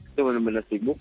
itu benar benar sibuk